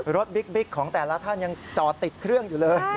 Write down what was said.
บิ๊กของแต่ละท่านยังจอดติดเครื่องอยู่เลย